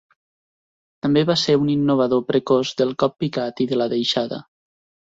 També va ser un innovador precoç del cop picat i de la deixada.